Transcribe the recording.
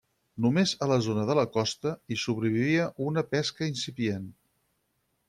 Només a la zona de costa, hi sobrevivia una pesca incipient.